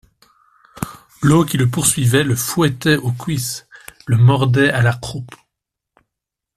L’eau, qui le poursuivait, le fouettait aux cuisses, le mordait à la croupe.